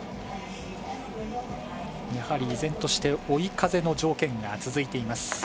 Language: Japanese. やはり、依然として追い風の条件が続いています。